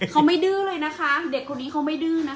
เขาไม่ดื้อเลยนะคะเด็กคนนี้เขาไม่ดื้อนะคะ